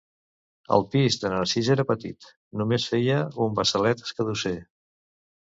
El pis de Narcís era petit: només feia un bassalet escadusser.